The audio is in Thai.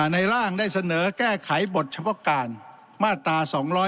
ร่างได้เสนอแก้ไขบทเฉพาะการมาตรา๒๗